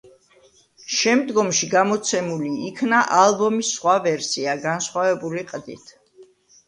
შემდგომში გამოცემული იქნა ალბომის სხვა ვერსია, განსხვავებული ყდით.